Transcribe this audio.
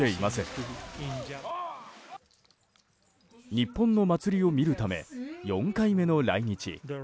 日本の祭りを見るため４回目の来日。